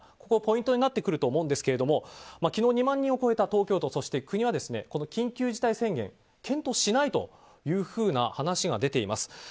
ここがポイントになってくると思うんですが昨日２万人を超えた東京都、そして国は緊急事態宣言検討しないというふうな話が出ています。